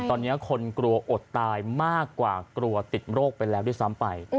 ตอนนี้คนกลัวอดตายมากกว่ากลัวติดโรคไปแล้วด้วยซ้ำไป